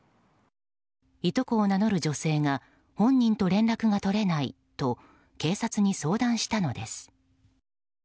いとこと名乗る女性が本人と連絡が取れないと警察に相談したのです。